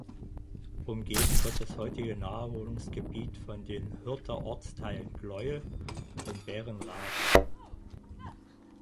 Umgeben wird das heutige Naherholungsgebiet von den Hürther Ortsteilen Gleuel und Berrenrath.